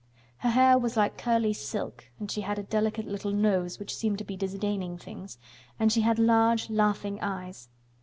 Her hair was like curly silk and she had a delicate little nose which seemed to be disdaining things, and she had large laughing eyes.